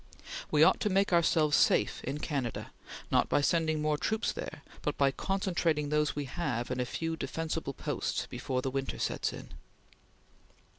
We ought to make ourselves safe in Canada, not by sending more troops there, but by concentrating those we have in a few defensible posts before the winter sets in....